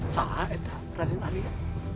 salah ada raden arya